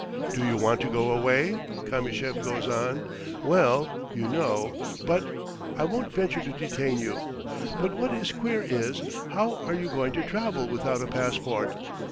"Do you want to go away?" Kamyshev goes on. "Well, you know, but ... I won't venture to detain you. But what is queer is, how are you going to travel without a passport?